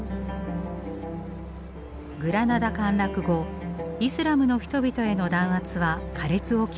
グラナダ陥落後イスラムの人々への弾圧は苛烈を極めました。